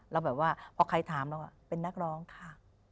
แล้วแบบว่าพอใครถามเราเป็นนักร้องค่ะ